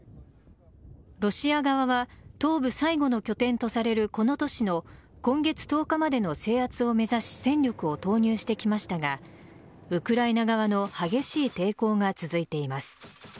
ロシア側は東部最後の拠点とされるこの都市の今月１０日までの制圧を目指し戦力を投入してきましたがウクライナ側の激しい抵抗が続いています。